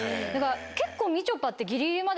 結構みちょぱって。